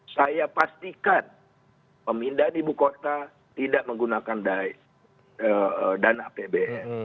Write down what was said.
saya pastikan pemindahan ibu kota tidak menggunakan dana apbn